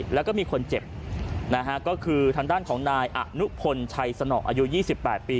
แล้วก็มีคนเจ็บนะฮะก็คือทางด้านของนายอนุพลชัยสนออายุ๒๘ปี